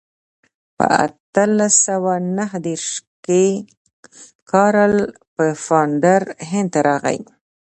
په اتلس سوه نهه دېرش کې کارل پفاندر هند ته راغی.